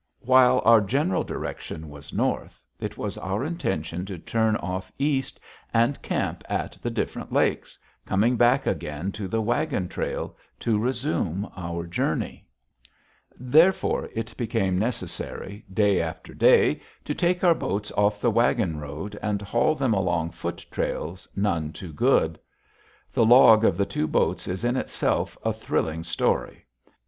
While our general direction was north, it was our intention to turn off east and camp at the different lakes, coming back again to the wagon trail to resume our journey. [Illustration: Lake Elizabeth from Ptarmigan Pass, Glacier National Park] Therefore, it became necessary, day after day, to take our boats off the wagon road and haul them along foot trails none too good. The log of the two boats is in itself a thrilling story.